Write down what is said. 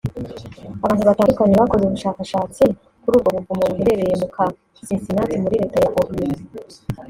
Abantu batandukanye bakoze ubushakashatsi kuri ubwo buvumo buherereye mu ka Cincinnati muri Leta ya Ohio